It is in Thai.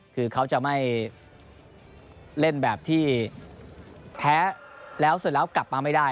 คือเขาจะไม่เล่นแบบที่แพ้แล้วเสร็จแล้วกลับมาไม่ได้